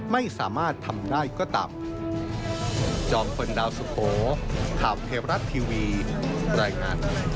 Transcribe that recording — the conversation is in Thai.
ไม่สามารถทำได้ก็ตาม